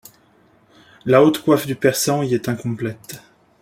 La haute coiffe du persan y est incomplète.